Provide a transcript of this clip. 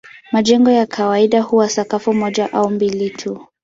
Majengo ya kawaida huwa sakafu moja au mbili tu.